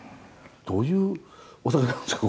どういうお酒なんですか？